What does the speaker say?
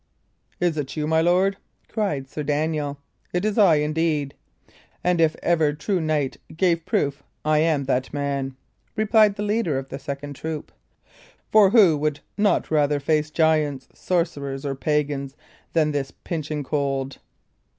"Is it you, my lord?" cried Sir Daniel. "It is I, indeed; and if ever true knight gave proof I am that man," replied the leader of the second troop; "for who would not rather face giants, sorcerers, or pagans, than this pinching cold?"